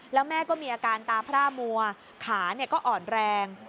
แล้วแม่ก็มีอาการตาพร่ามัวขาก็อ่อนแรง